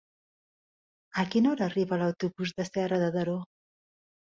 A quina hora arriba l'autobús de Serra de Daró?